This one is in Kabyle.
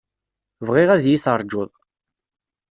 Bɣiɣ ad yi-terjuḍ.